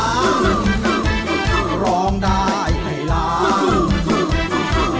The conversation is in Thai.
สุดยอด